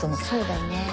そうだね。